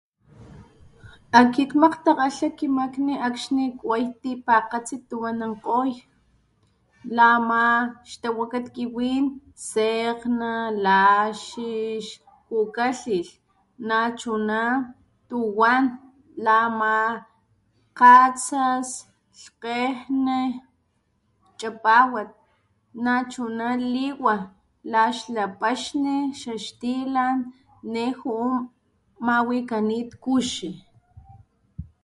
Akit makgtakgalha kimakni akxni kway tipakgatsi tuku anankgoy la ama xtawakat kiwin sekgna, laxix, kukatlilh , nachuna tuwan la ama kgatsas, lhkgejne, chapawat, nachuna liwa laxla paxni, xaxtilan ne juu mawikanit kuxi.